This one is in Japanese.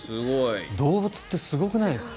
動物ってすごくないですか？